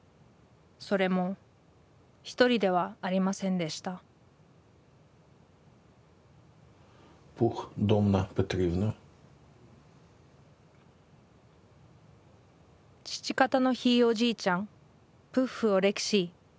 それも一人ではありませんでした父方のひいおじいちゃんプッフ・オレクシー。